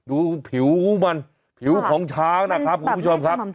ดูผิวมันผิวของช้างนะครับคุณผู้ชมครับ